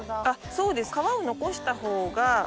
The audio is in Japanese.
そうです。